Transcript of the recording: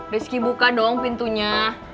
rizky buka dong pintunya